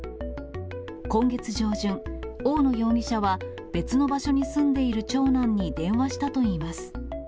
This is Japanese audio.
今月上旬、大野容疑者は、別の場所に住んでいる長男に電話したといいます。